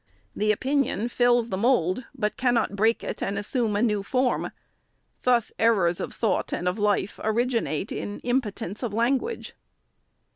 The opinion fills the mould, but cannot break it and assume a new form. Thus errors of thought and of life originate in impotence of language.